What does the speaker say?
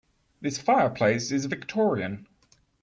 This fireplace is Victorian.